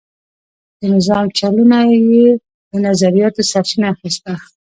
د نظام چلونه یې له نظریاتو سرچینه اخیسته.